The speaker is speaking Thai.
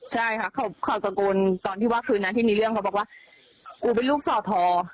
ใช่ค่ะเขาตะโกนตอนที่ว่าคืนนั้นที่มีเรื่องเขาบอกว่ากูเป็นลูกสอทอ